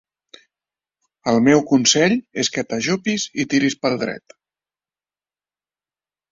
El meu consell és que t'ajupis i tiris pel dret.